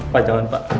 pak jangan pak